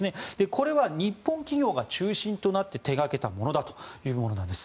これは日本企業が中心となって手掛けたものだというものなんです。